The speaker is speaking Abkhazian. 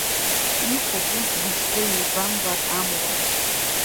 Иҟоуп урҭ мышкы еибамбар амуа.